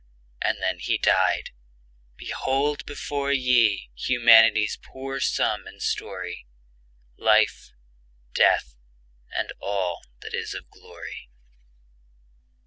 And then he died! Behold before ye Humanity's poor sum and story; Life, Death, and all that is of glory.